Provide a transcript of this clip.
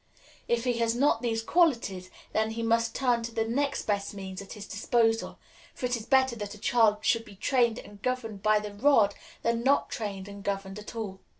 If he has not these qualities, then he must turn to the next best means at his disposal; for it is better that a child should be trained and governed by the rod than not trained and governed at all.